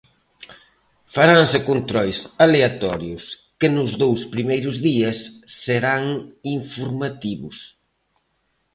Faranse controis aleatorios que nos dous primeiros días serán informativos.